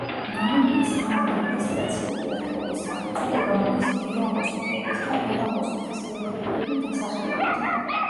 ნამიბიის ამ ადმინისტრაციული ერთეულის სახელწოდება მოდის ერონგოს მთების და ერონგოს მთის გეოგრაფიული დასახელებიდან.